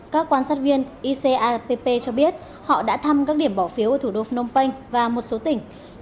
các quan sát viên icapp cho biết họ đã thăm các điểm bỏ phiếu ở thủ đô phnom penh và một số tỉnh